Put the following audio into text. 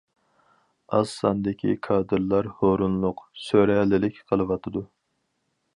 ئاز ساندىكى كادىرلار ھۇرۇنلۇق، سۆرەلمىلىك قىلىۋاتىدۇ.